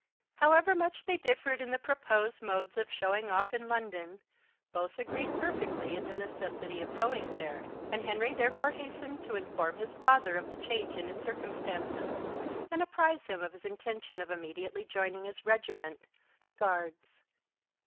However much they differed in the proposed modes of showing off in London, both agreed perfectly in the necessity of going there, and Henry therefore hastened to inform his father of the change in his circumstances, and apprise him of his intention of immediately joining his regiment, the Guards.